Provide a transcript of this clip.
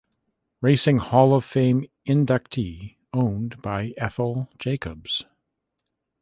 Racing Hall of Fame inductee owned by Ethel Jacobs.